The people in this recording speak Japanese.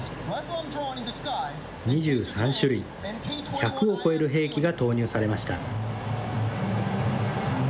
２３種類、１００を超える兵器が投入されました。